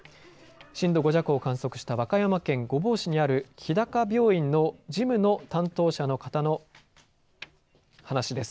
震度５弱を観測した和歌山県御坊市にあるひだか病院の事務の担当者の方の話です。